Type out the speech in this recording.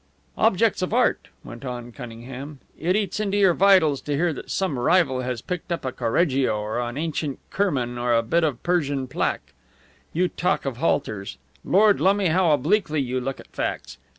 "Objects of art!" went on Cunningham. "It eats into your vitals to hear that some rival has picked up a Correggio or an ancient Kirman or a bit of Persian plaque. You talk of halters. Lord lumme, how obliquely you look at facts!